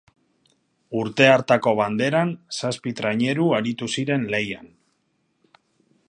Urte hartako Banderan zazpi traineru aritu ziren lehian.